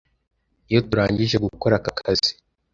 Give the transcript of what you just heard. iyo turangije gukora aka kazi